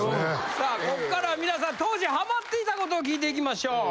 さあこっからは皆さん当時ハマっていた事を聞いていきましょう。